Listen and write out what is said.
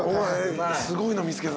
すごいの見つけた。